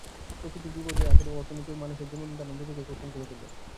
প্রকৃতির বিপর্যয় আখেরে অর্থনীতি ও মানুষের জীবনধারণ, দুটোকেই কঠিন করে তোলে।